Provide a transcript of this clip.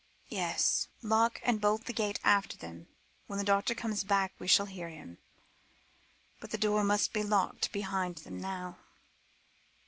"Yes. Lock and bolt the gate after them. When the doctor comes back, we shall hear him. But the door must be locked behind them now."